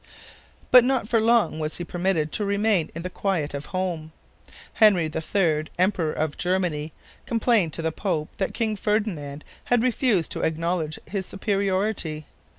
But not for long was he permitted to remain in the quiet of home. Henry III, Emperor of Germany, complained to the Pope that King Ferdinand had refused to acknowledge his superiority.